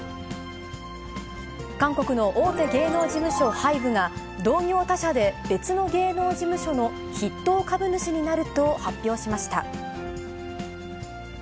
韓国の大手芸能事務所、ハイブが同業他社で、別の芸能事務所の筆頭株主になると発表しました。